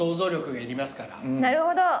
なるほど！